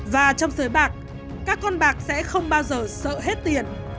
và trong sới bạc các con bạc sẽ không bao giờ sợ hết tiền